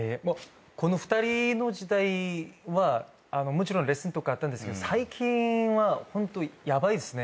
この２人の時代はもちろんレッスンとかあったんですけど最近はホントヤバいですね。